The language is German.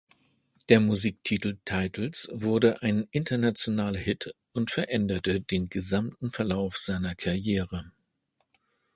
Der Musiktitel "Titles" wurde ein internationaler Hit und veränderte den gesamten Verlauf seiner Karriere.